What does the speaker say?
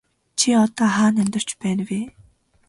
Чи одоо хаана амьдарч байна вэ?